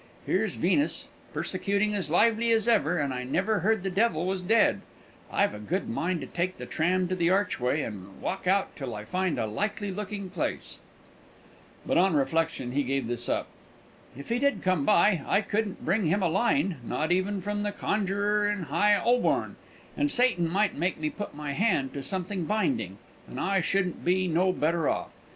Here's Venus persecuting as lively as ever, and I never heard the devil was dead. I've a good mind to take the tram to the Archway, and walk out till I find a likely looking place." But, on reflection, he gave this up. "If he did come by, I couldn't bring him a line not even from the conjuror in High 'Oborn and Satan might make me put my hand to something binding, and I shouldn't be no better off.